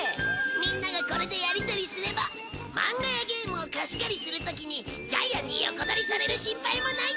みんながこれでやり取りすれば漫画やゲームを貸し借りする時にジャイアンに横取りされる心配もないってわけ。